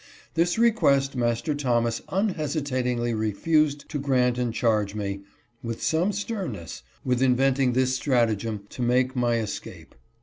This request Master Thomas unhesitatingly refused to grant and charged me, with some sternness, with inventing this stratagem to make my escape.